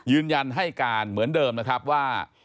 ยืนยันให้การเหมือนเดิมนะครับว่า